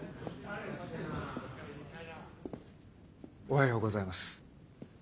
おはようございます。